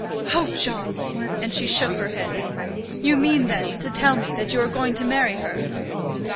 "Oh, John!" and she shook her head. "You mean, then, to tell me that you are going to marry her?"